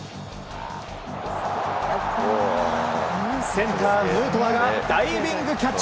センター、ヌートバーがダイビングキャッチ。